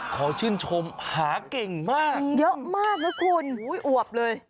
ขอชื่นชมหาเก่งมากเยอะมากนะคุณอวบเลย